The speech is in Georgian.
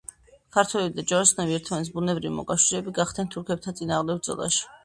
ქართველები და ჯვაროსნები ერთმანეთის ბუნებრივი მოკავშირეები გახდნენ თურქებთან წინააღმდეგ ბრძოლაში.